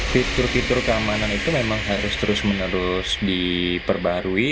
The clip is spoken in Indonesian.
fitur fitur keamanan itu memang harus terus menerus diperbarui